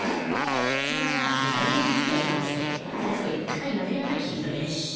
父親が大学の先生を今もしててそれですごい堅い真面目なタイプの人で。